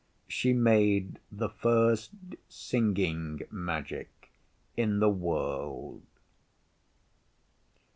She made the First Singing Magic in the world.